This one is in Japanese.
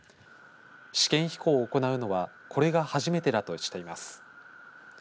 試験飛行を行うのはこれが初めてだとしています。